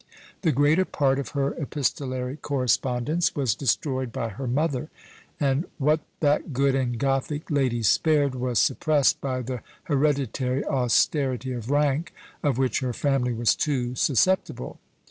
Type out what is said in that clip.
The greater part of her epistolary correspondence was destroyed by her mother; and what that good and Gothic lady spared, was suppressed by the hereditary austerity of rank, of which her family was too susceptible.